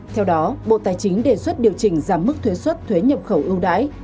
theo đó bộ tài chính đề xuất điều chỉnh giảm mức thuế xuất thuế nhập khẩu ưu đãi